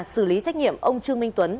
xử lý trách nhiệm ông trương minh tuấn